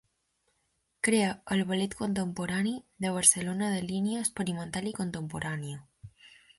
Crea el Ballet Contemporani de Barcelona de línia experimental i contemporània.